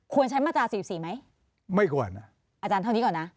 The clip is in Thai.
ใช้มาตรา๔๔ไหมไม่ก่อนนะอาจารย์เท่านี้ก่อนนะ